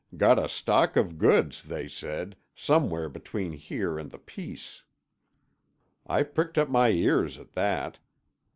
Got a stock of goods, they said, somewhere between here and the Peace." I pricked up my ears at that.